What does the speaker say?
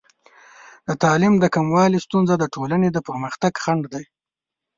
د تعلیم د کموالي ستونزه د ټولنې د پرمختګ خنډ دی.